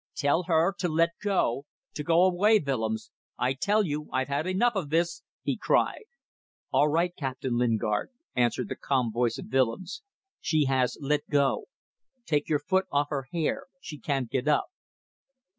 "Tell her to let go, to go away, Willems, I tell you. I've had enough of this," he cried. "All right, Captain Lingard," answered the calm voice of Willems, "she has let go. Take your foot off her hair; she can't get up."